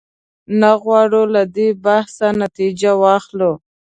نه غواړو له دې بحثه نتیجه واخلو.